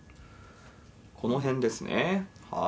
この辺ですね。